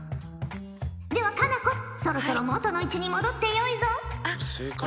では佳菜子そろそろ元の位置に戻ってよいぞ！